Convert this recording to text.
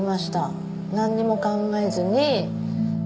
なんにも考えずに。